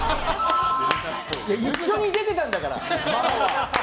一緒に出てたんだからマモは！